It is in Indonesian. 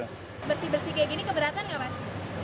bersih bersih kayak gini keberatan nggak mas